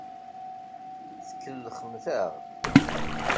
Tkellxemt-aɣ.